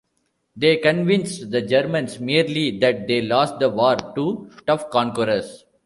'They convinced the Germans merely that they lost the war to tough conquerors.